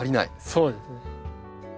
そうですね。